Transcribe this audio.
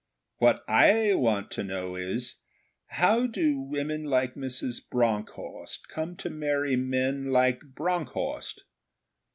What I want to know is, 'How do women like Mrs. Bronckhorst come to marry men like Bronckhorst?'